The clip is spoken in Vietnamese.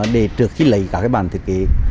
để trực khi lấy các bản thiết kế